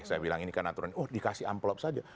saya bilang ini kan aturan oh dikasih amplop saja